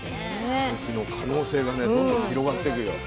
讃岐の可能性がねどんどん広がってくよ。